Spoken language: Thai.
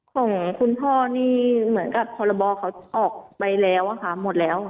ของคุณพ่อนี่เหมือนกับพรบเขาออกไปแล้วค่ะหมดแล้ว